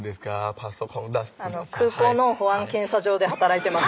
パソコン空港の保安検査場で働いてます